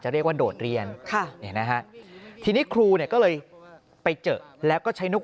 เรียกว่าโดดเรียนทีนี้ครูเนี่ยก็เลยไปเจอแล้วก็ใช้นก